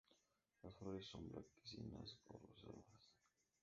Las flores son blanquecinas o rosadas.